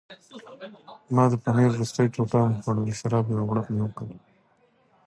ما د پنیر وروستۍ ټوټه هم وخوړه او د شرابو یو غوړپ مې وکړ.